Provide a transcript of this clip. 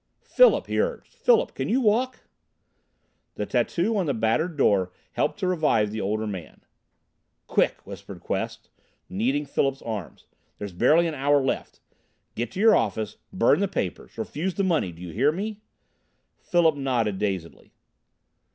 "Philip!" he urged. "Philip! Can you walk?" The tattoo on the battered door helped to revive the older man. "Quick!" whispered Quest, kneading Philip's arms. "There's barely an hour left. Get to your office. Burn the papers. Refuse the money. Do you hear me?" Philip nodded dazedly.